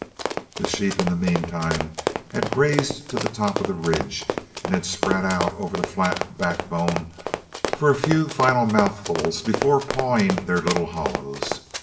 The sheep in the meantime had grazed to the top of the ridge and had spread out over the flat backbone for a few final mouthfuls before pawing their little hollows.